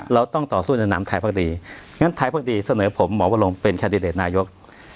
เราต้องต่อสู้ในนามไทยพักดีงั้นไทยพักดีเสนอผมหมอวรงเป็นแคนดิเดตนายก